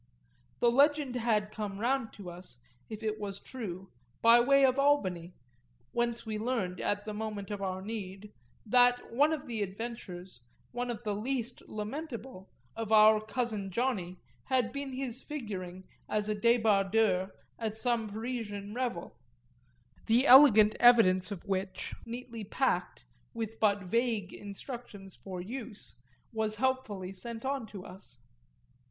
The legend had come round to us, it was true, by way of Albany, whence we learned at the moment of our need, that one of the adventures, one of the least lamentable, of our cousin Johnny had been his figuring as a débardeur at some Parisian revel; the elegant evidence of which, neatly packed, though with but vague instructions for use, was helpfully sent on to us.